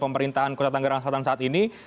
pemerintahan kota tangerang selatan saat ini